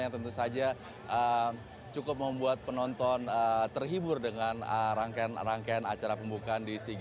yang tentu saja cukup membuat penonton terhibur dengan rangkaian rangkaian acara pembukaan di sea games